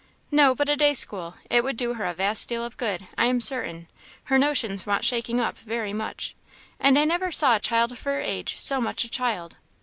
"No, but a day school; it would do her a vast deal of good, I am certain; her notions want shaking up very much. And I never saw a child of her age so much a child."